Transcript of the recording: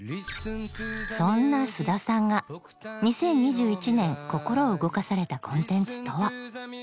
そんな菅田さんが２０２１年心を動かされたコンテンツとは？